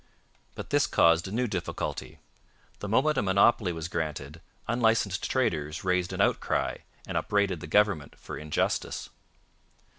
But this caused new difficulty. The moment a monopoly was granted, unlicensed traders raised an outcry and upbraided the government for injustice.